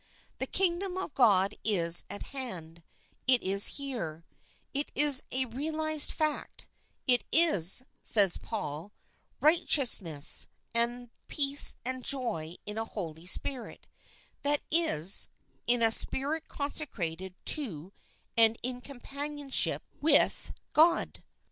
The Kingdom of God is at hand ; it is here ; it is a realised fact ; it is, says Paul, " righteousness, and peace and joy in a holy spirit," that is, in a spirit consecrated to and in companionship with INTRODUCTION God.